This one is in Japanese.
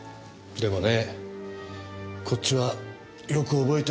でもねこっちはよく覚えてますよ。